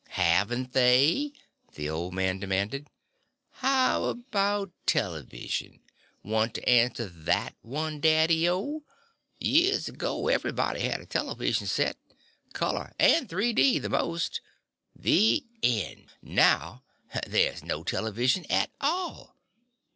"Haven't they?" the old man demanded. "How about television? Want to answer that one, Daddy O? Years ago, everybody had a television set. Color and 3 D. The most. The end. Now there's no television at all.